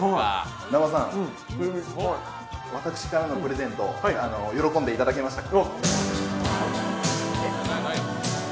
南波さん、私からのプレゼント喜んでいただけましたか？